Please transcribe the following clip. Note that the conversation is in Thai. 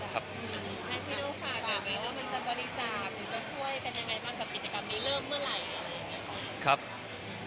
ให้พี่ดูฝากับว่ามันจะบริจาคหรือจะช่วยกันยังไงบ้างกับกิจกรรมนี้เริ่มเมื่อไหร่